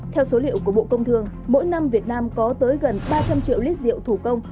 theo số liệu của bộ công thương mỗi năm việt nam có tới gần ba trăm linh triệu lít rượu thủ công